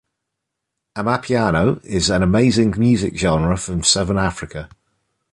Amapiano is an amazing music genre from Southern Africa.